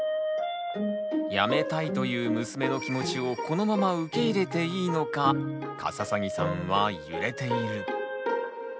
「やめたい」という娘の気持ちをこのまま受け入れていいのかカササギさんは揺れている。